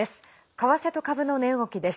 為替と株の値動きです。